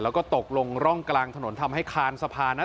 แล้วก็ตกลงร่องกลางถนนทำให้คานสะพาน